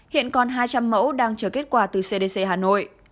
hiện còn hai trăm linh mẫu đang chờ kết quả từ cdc hà nội